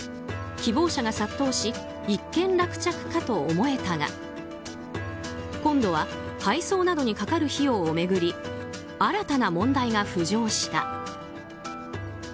希望者が殺到し一件落着かと思えたが今度は配送などにかかる費用を巡り新たな問題が浮上した。